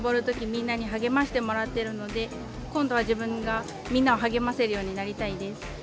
みんなに励ましてもらってるので今度は自分がみんなを励ませるようになりたいです。